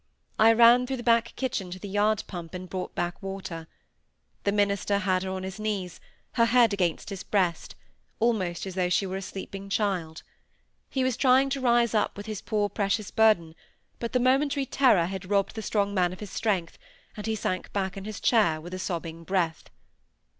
I ran through the back kitchen to the yard pump, and brought back water. The minister had her on his knees, her head against his breast, almost as though she were a sleeping child. He was trying to rise up with his poor precious burden, but the momentary terror had robbed the strong man of his strength, and he sank back in his chair with sobbing breath.